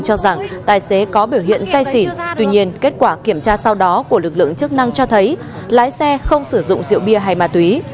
cho rằng tài xế có biểu hiện say xỉn tuy nhiên kết quả kiểm tra sau đó của lực lượng chức năng cho thấy lái xe không sử dụng rượu bia hay ma túy